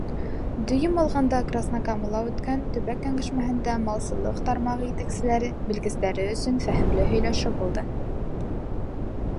Дөйөм алғанда, Краснокамала үткән төбәк кәңәшмәһендә малсылыҡ тармағы етәкселәре, белгестәре өсөн фәһемле һөйләшеү булды.